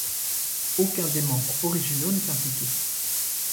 Aucun des membres originaux n'est impliqué.